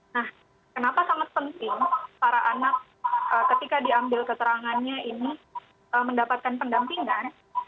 nah kenapa sangat penting para anak ketika diambil keterangannya ini mendapatkan pendampingan